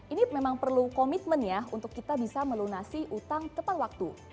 ini memang perlu komitmen ya untuk kita bisa melunasi utang tepat waktu